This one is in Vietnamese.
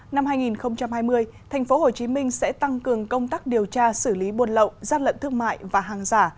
năm hai nghìn hai mươi tp hcm sẽ tăng cường công tác điều tra xử lý buôn lậu gian lận thương mại và hàng giả